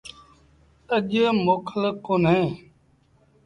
اَڄ موڪل ڪونهي۔